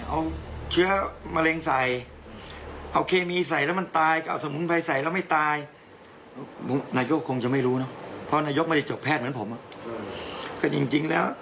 เอาเชื้อมะเร็งใส่